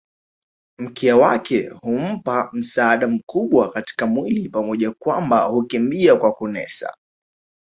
Mkia wake hummpa msaada mkubwa katika mwili pamoja kwamba hukimbia kwa kunesa